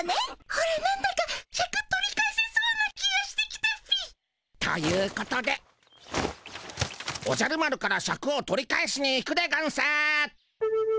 オラなんだかシャク取り返せそうな気がしてきたっピ。ということでおじゃる丸からシャクを取り返しに行くでゴンス。